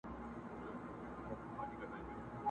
پر ملا کړوپ دی ستا له زور څخه خبر دی٫